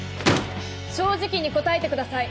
正直に答えてください。